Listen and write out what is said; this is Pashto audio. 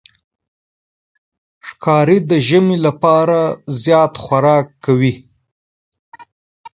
ښکاري د ژمي لپاره زیات خوراک کوي.